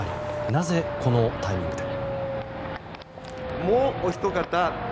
なぜ、このタイミングで。